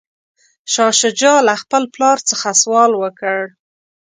شاه شجاع له خپل پلار څخه سوال وکړ.